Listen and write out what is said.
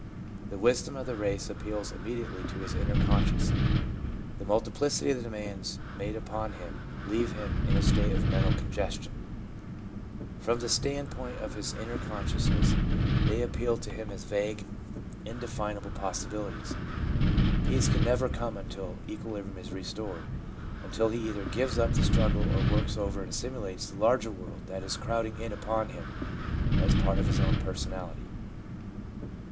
The wisdom of the race appeals immediately to his inner consciousness. The multiplicity of the demands made upon him leave him in a state of mental congestion. From the standpoint of his inner consciousness they appeal to him as vague, 1 Clouston, Neuroses of Development, p. in. 2 3 o THE PSYCHOLOGY OF RELIGION indefinable possibilities. Peace can never come until equilibrium is restored ; until he either gives up the struggle, or works over and assimilates the larger world that is crowding in upon him as part of his own personality.